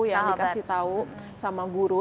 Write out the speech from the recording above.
yang dikasih tahu sama guru